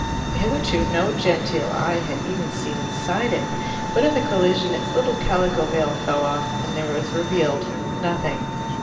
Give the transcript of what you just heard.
Hitherto no genteel eye had even seen inside it, but in the collision its little calico veil fell off, and there was revealed nothing.